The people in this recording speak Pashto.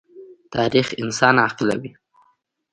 تاریخ انسان عاقلوي.